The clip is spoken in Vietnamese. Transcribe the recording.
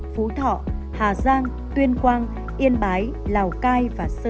phú trọng hà nội hà nội